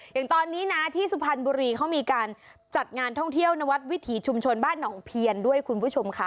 อย่างตอนนี้นะที่สุพรรณบุรีเขามีการจัดงานท่องเที่ยวนวัดวิถีชุมชนบ้านหนองเพียนด้วยคุณผู้ชมค่ะ